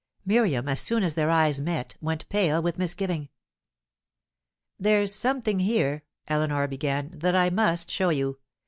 Miriam, as soon as their eyes met, went pale with misgiving. "There's something here," Eleanor began, "that I must show you.